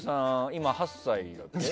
今、８歳だっけ？